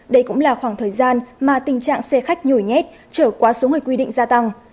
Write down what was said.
đây cũng là khoảng thời gian mà tình trạng xe khách nhồi nhét trở qua số người quy định gia tăng